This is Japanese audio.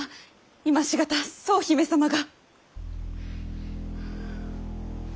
今し方総姫様が。